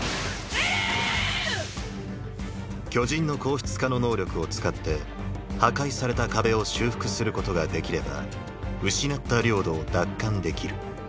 巨人の硬質化の能力を使って破壊された壁を修復することができれば失った領土を奪還できる。